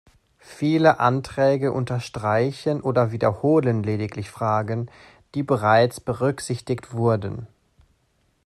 Viele Anträge unterstreichen oder wiederholen lediglich Fragen, die bereits berücksichtigt wurden.